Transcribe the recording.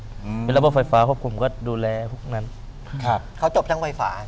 อืมเป็นระบบไฟฟ้าควบคุมก็ดูแลพวกนั้นครับเขาจบทั้งไฟฟ้า